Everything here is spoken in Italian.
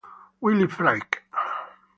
Willi Fricke